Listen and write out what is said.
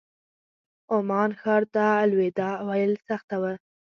عمان ښار ته الوداع ویل سخته وه.